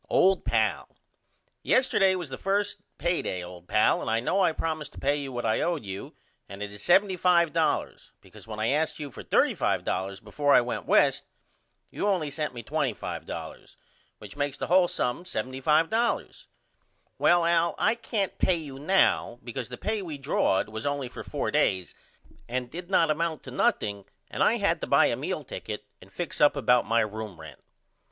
OLD PAL: Yesterday was the 1st pay day old pal and I know I promised to pay you what I owe you and it is $75.00 because when I asked you for $35.00 before I went West you only sent me $25.00 which makes the hole sum $75.00. Well Al I can't pay you now because the pay we drawed was only for 4 days and did not amount to nothing and I had to buy a meal ticket and fix up about my room rent.